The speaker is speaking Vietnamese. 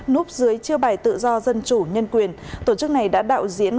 núp dưới chiêu bài tự do dân chủ nhân quyền tổ chức này đã đạo diễn